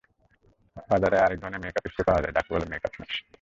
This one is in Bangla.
বাজারে আরেক ধরনের মেকআপ স্প্রে পাওয়া যায়, যাকে বলে মেকআপ মিস্ট।